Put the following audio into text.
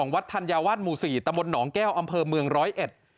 วัดธัญวัตรหมู่๔ตมหนองแก้วอำเภอเมืองร้อยเอ็ด